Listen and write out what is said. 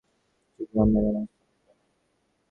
সে-গ্রামে আর আমার স্থান হইল না।